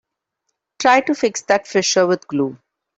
Try to fix that fissure with glue.